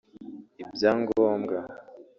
ibyangombwa